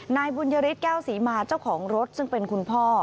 นายบุญยฤทธิแก้วศรีมาเจ้าของรถซึ่งเป็นคุณพ่อ